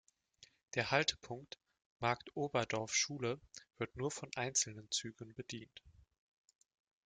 Der Haltepunkt "Marktoberdorf Schule" wird nur von einzelnen Zügen bedient.